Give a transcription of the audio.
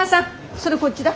それこっちだ。